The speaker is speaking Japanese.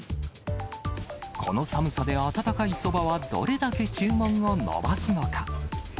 この寒さで、温かいそばはどれだけ注文を伸ばすのか。